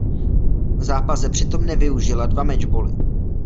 V zápase přitom nevyužila dva mečboly.